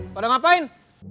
kau ada ngapain